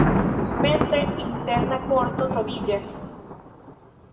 Meze interna korto troviĝas.